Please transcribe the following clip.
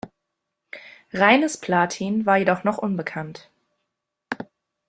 Reines Platin war jedoch noch unbekannt.